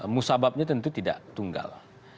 musababnya tentu tidak tunggal